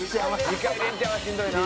２回連チャンはしんどいな。